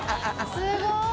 すごい。